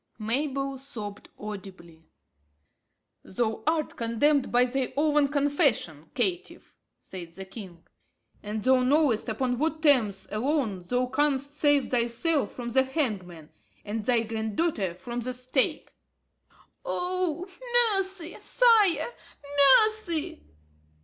Mabel sobbed audibly. "Thou art condemned by thy own confession, caitiff," said the king, "and thou knowest upon what terms alone thou canst save thyself from the hangman, and thy grand daughter from the stake." "Oh, mercy, sire, mercy!"